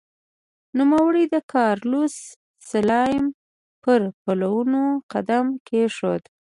نوموړي د کارلوس سلایم پر پلونو قدم کېښود.